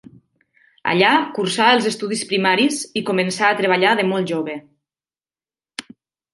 Allà cursà els estudis primaris i començà a treballar de molt jove.